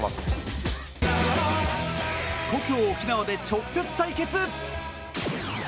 故郷・沖縄で直接対決！